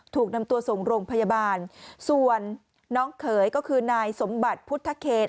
ถูกนำตัวส่งโรงพยาบาลส่วนน้องเขยก็คือนายสมบัติพุทธเขต